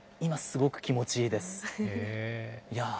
今、すごく気持ちいいです。